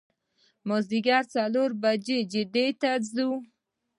د مازدیګر څلور بجې جدې ته ځو.